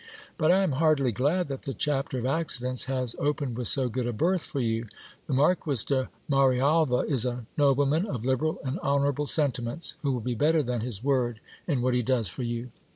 But I am heartily glad that the chapter of accidents has opened with so good a berth for you. The Marquis de Marialva is a noble man of liberal and honourable sentiments, who will be better than his word in what he does for you.